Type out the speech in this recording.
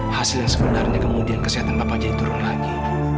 hasil yang sebenarnya kemudian kesehatan bapak jadi turun lagi